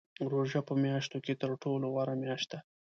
روژه په میاشتو کې تر ټولو غوره میاشت ده .